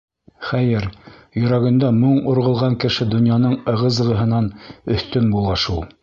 Хәйер, йөрәгендә моң урғылған кеше донъяның ығы-зығыһынан өҫтөн була шул!